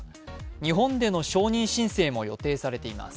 日本での承認申請も予定されています。